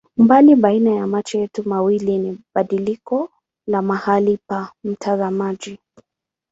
Umbali baina ya macho yetu mawili ni badiliko la mahali pa mtazamaji.